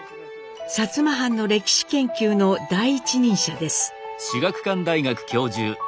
薩摩藩の歴史研究の第一人者です。